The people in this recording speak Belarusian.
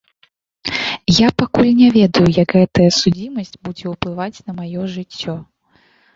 Я пакуль не ведаю, як гэтая судзімасць будзе ўплываць на маё жыццё.